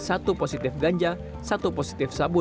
satu positif ganja satu positif sabu